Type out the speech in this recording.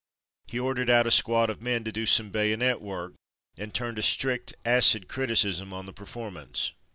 He ordered out a squad of men to do some bayonet work and turned a strict, acid criticism on the performance.